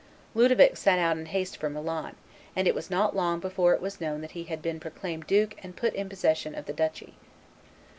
Ludovic set out in haste for Milan; and it was not long before it was known that he had been proclaimed duke and put in possession of the duchy.